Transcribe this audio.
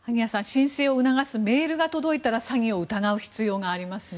申請を促すメールが届いたら詐欺を疑う必要がありますね。